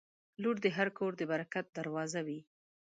• لور د هر کور د برکت دروازه وي.